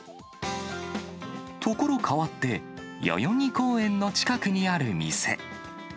所変わって、代々木公園の近くにある店。